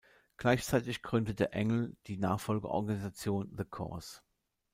Gleichzeitig gründete Engle die Nachfolgeorganisation "The Cause".